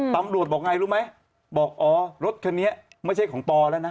ตำรวจบอกไงรู้ไหมบอกอ๋อรถคันนี้ไม่ใช่ของปอแล้วนะ